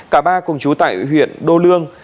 cả ba cùng chú tại huyện đô lương